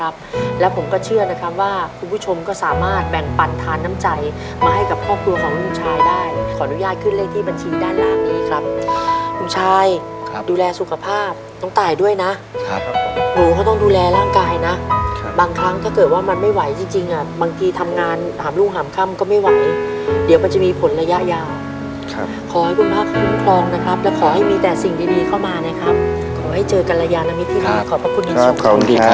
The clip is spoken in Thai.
บัญชีด้านหลังนี้ครับคุณชายครับดูแลสุขภาพต้องตายด้วยนะครับผมก็ต้องดูแลร่างกายนะบางครั้งถ้าเกิดว่ามันไม่ไหวจริงจริงอ่ะบางทีทำงานหามลุงหามค่ำก็ไม่ไหวเดี๋ยวมันจะมีผลระยะยาวครับขอให้คุณภาพคุ้มครองนะครับและขอให้มีแต่สิ่งดีเข้ามานะครับขอให้เจอกันระยะนามิที่นี่ขอบคุณสุขขอบคุ